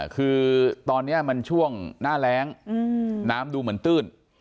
คือตอนนี้มันช่วงหน้าแรงน้ำดูเหมือนตื้น